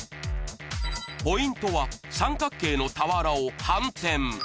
ポイントは三角形の俵を反転。